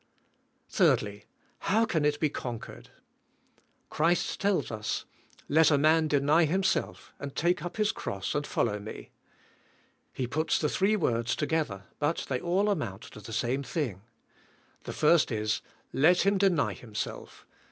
3. How can it be conquered? Christ tells us: '' Let a man deny himself and take up his cross and follow me." He puts the three words tog ether, but they all amount to the same thing. The first is, let him deny himself.